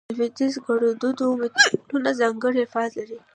د لودیز ګړدود متلونه ځانګړي الفاظ لري